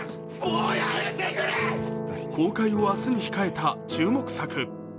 公開を明日に控えた注目作。